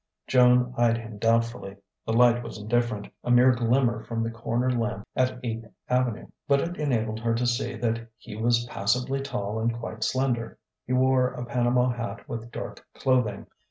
Joan eyed him doubtfully. The light was indifferent, a mere glimmer from the corner lamp at Eighth Avenue; but it enabled her to see that he was passably tall and quite slender. He wore a Panama hat with dark clothing.